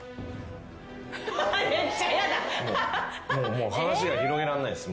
もう話が広げらんないです。